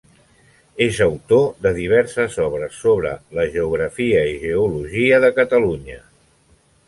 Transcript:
És autor de diverses obres sobre la geografia i geologia de Catalunya.